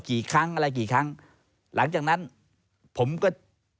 กี่ครั้งอะไรกี่ครั้งหลังจากนั้นผมก็